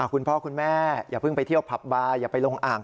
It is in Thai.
คุณพ่อคุณแม่อย่าเพิ่งไปเที่ยวผับบาร์อย่าไปลงอ่าง